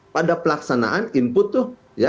pada pelaksanaan input tuh